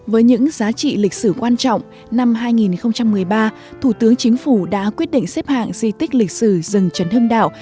với những giá trị lịch sử quan trọng năm hai nghìn một mươi ba thủ tướng chính phủ đã quyết định xếp hạng di tích lịch sử rừng trần hưng đạo